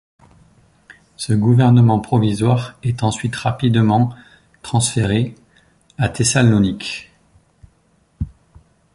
Ce Gouvernement provisoire est ensuite rapidement transféré à Thessalonique.